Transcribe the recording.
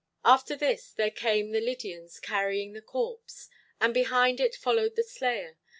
"After this there came the Lydians carrying the corpse. And behind it followed the slayer.